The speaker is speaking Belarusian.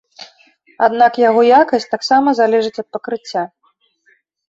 Аднак яго якасць таксама залежыць ад пакрыцця.